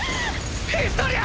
ヒストリア！！